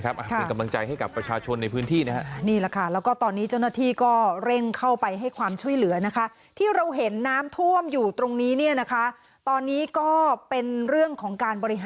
กำลังใจให้กับประชาชนในพื้นที่